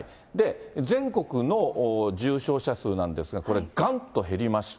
全国の重症者数なんですが、これ、がんと減りまして。